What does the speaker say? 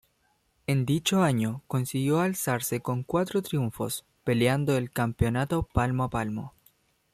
En dicho año consiguió alzarse con cuatro triunfos, peleando el campeonato palmo a palmo.